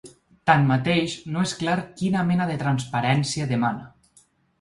Tanmateix, no és clar quina mena de transparència demana.